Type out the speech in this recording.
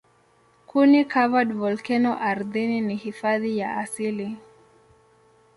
Kuni-covered volkeno ardhini ni hifadhi ya asili.